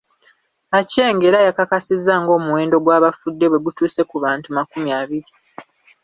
Aceng era yakakasizza nga omuwendo gw’abavudde bwegutuuse ku bantu makumi abiri.